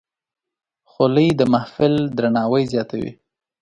خولۍ د محفل درناوی زیاتوي.